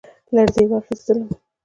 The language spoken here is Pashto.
لـړزې واخيسـتم ،